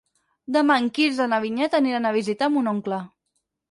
Demà en Quirze i na Vinyet aniran a visitar mon oncle.